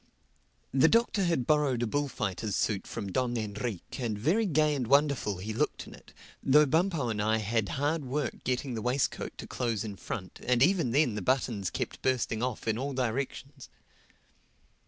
The Doctor had borrowed a bullfighter's suit from Don Enrique; and very gay and wonderful he looked in it, though Bumpo and I had hard work getting the waistcoat to close in front and even then the buttons kept bursting off it in all directions.